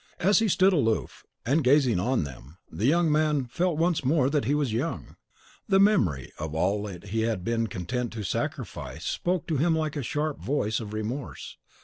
As he stood aloof and gazing on them, the young man felt once more that he was young. The memory of all he had been content to sacrifice spoke to him like the sharp voice of remorse.